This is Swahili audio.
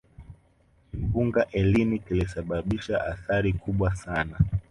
kimbunga eline kilisababisha athari kubwa sana